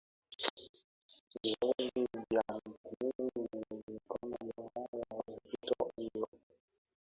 virusi vya ukimwi viligundulikana baada ya ripoti hiyo